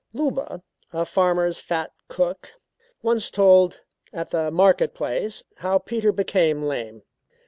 Luba, a farmer's fat cook, once told at the market place how Peter became lame.